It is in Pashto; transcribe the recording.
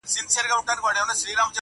چي وژلي یې بېځایه انسانان وه!.